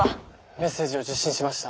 メッセージを受信しました。